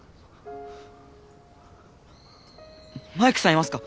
マイクさんいますか？